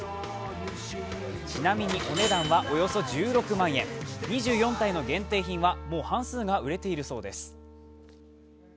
ちなみに、お値段はおよそ１６万円、２４体の限定品はもう半数が売れているそうです。